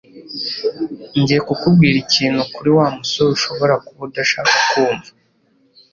Ngiye kukubwira ikintu kuri Wa musore ushobora kuba udashaka kumva